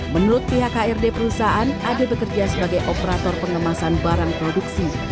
menurut pihak krd perusahaan ade bekerja sebagai operator pengemasan barang produksi